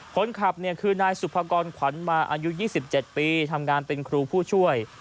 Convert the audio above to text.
คนขับคือนายสุภกรขวัญมาอายุ๒๗ปีทำงานเป็นครูผู้ช่วย